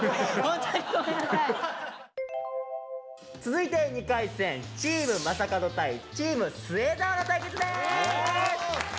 続いて２回戦チーム正門対チーム末澤の対決です！